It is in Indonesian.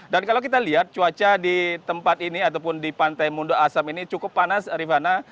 dan kalau kita lihat cuaca di tempat ini ataupun di pantai munduk asem ini cukup panas rifana